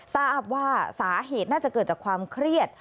ทราบว่าสาเหตุน่าจะเกิดจากความเครียด